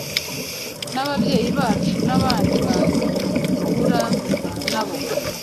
n’ababyeyi bacu n’abandi bantu duhura na bo.